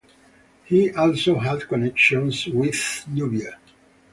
He also had connections with Nubia.